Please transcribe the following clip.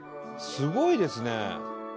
「すごいですね」